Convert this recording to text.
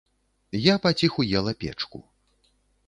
Я паціху ела печку.